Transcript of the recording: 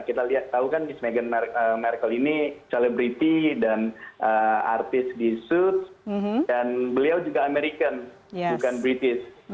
kita lihat tahu kan miss meghan markle ini celebriti dan artis di suits dan beliau juga american bukan british